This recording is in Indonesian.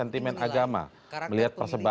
namanya aku bercanda